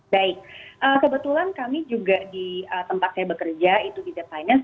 baik kebetulan kami juga di tempat saya bekerja itu di the finance